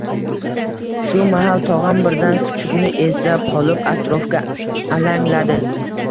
Shu mahal tog‘am birdan kuchukni eslab qolib, atrofga alangladi: